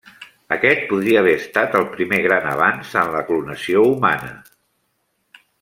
Aquest podria haver estat el primer gran avanç en la clonació humana.